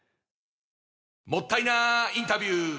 もったいなインタビュー！